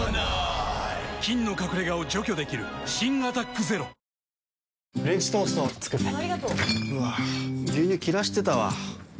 菌の隠れ家を除去できる新「アタックＺＥＲＯ」最近料理してないの？